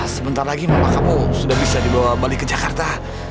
sebentar lagi bapak kamu sudah bisa dibawa balik ke jakarta